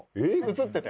映ってた。